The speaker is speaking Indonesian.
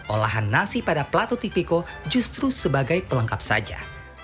olahan nasi pada plato tipiko justru sebagai pelengkap saja